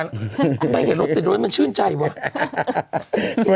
อันนี้ไม่เห็นรถติดโดยมันชื่นใจว่ะ